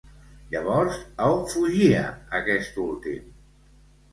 Llavors, a on fugia aquest últim?